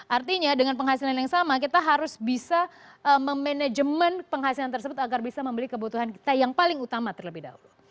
artinya dengan penghasilan yang sama kita harus bisa memanajemen penghasilan tersebut agar bisa membeli kebutuhan kita yang paling utama terlebih dahulu